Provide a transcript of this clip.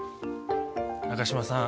中島さん